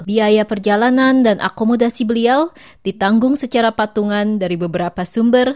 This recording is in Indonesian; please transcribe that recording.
biaya perjalanan dan akomodasi beliau ditanggung secara patungan dari beberapa sumber